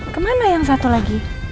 kemana yang satu lagi